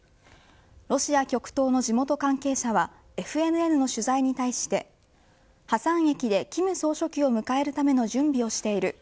ロシア極東の地元関係者はＦＮＮの取材に対してハサン駅で金総書記を迎えるための準備をしている。